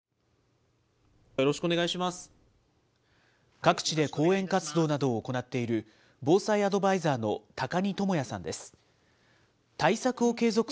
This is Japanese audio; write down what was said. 各地で講演活動などを行っている、防災アドバイザーの高荷智也さんです。